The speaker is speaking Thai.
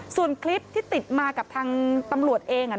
ส่วนคลิปที่ติดมากับทางตำรวจเอง